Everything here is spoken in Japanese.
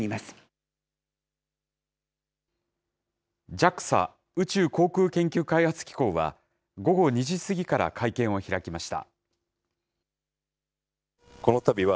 ＪＡＸＡ・宇宙航空研究開発機構は、午後２時過ぎから会見を開きました。